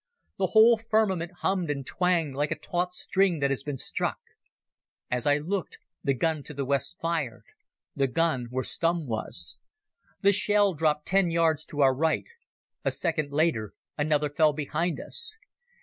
The whole firmament hummed and twanged like a taut string that has been struck ... As I looked, the gun to the west fired—the gun where Stumm was. The shell dropped ten yards to our right. A second later another fell behind us.